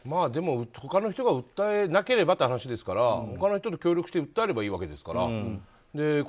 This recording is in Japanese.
でも、他の人が訴えなければという話ですから他の人と協力して訴えればいいわけですから。